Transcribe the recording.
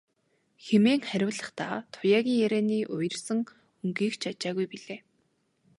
хэмээн хариулахдаа Туяагийн ярианы уярсан өнгийг ч ажаагүй билээ.